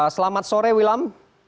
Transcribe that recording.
selamat sore wilam